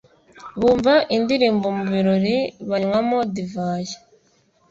Bumva indirimbo mu birori banywamo divayi.